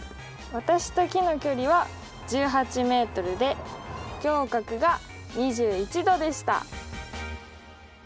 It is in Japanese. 私と木の距離は１８ｍで仰角が２１°でした。